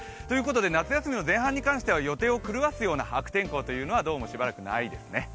夏休みの前半に関しては予定を狂わすような悪天候はどうやらないですね。